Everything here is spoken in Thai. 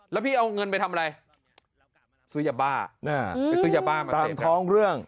แล้วพี่เอาเงินไปทำอะไรซื้อยาบ้าไปซื้อยาบ้ามาทำท้องเรื่อง